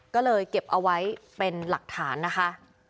ก็เลยเก็บเอาไว้เป็นหลักฐานนะคะ